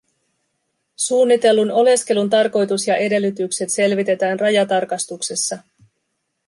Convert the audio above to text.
Suunnitellun oleskelun tarkoitus ja edellytykset selvitetään rajatarkastuksessa.